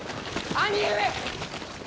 兄上。